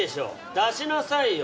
出しなさいよ。